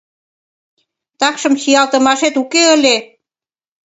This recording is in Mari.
Такшым чиялтымашет уке ыле.